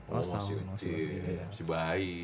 oh masih kecil masih bayi